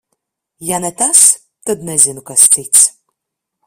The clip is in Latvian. Ja ne tas, tad nezinu, kas cits.